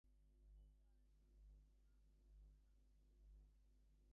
The cause of this orogeny was the collision of Africa's and Europe's forerunner continents.